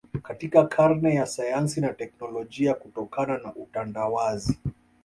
Katika karne ya sayansi na teknolojia kutokana na utandawazi